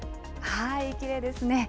きれいですね。